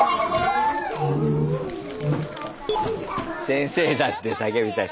「先生だって叫びたい」。